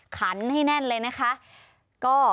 ขันให้แน่นเลยนะคะ